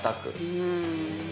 うん。